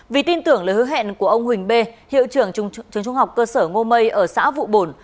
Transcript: vì tin tưởng lời hứa hẹn của ông huỳnh b hiệu trưởng trường trung học cơ sở ngô mây ở xã vụ bổn